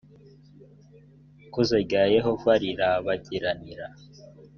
ikuzo rya yehova rirabagiranira